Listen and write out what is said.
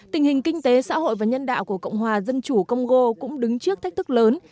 tình hình kinh tế xã hội và nhân đạo của cộng hòa dân chủ congo cũng đứng trước thách thức lớn